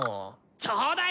ちょだい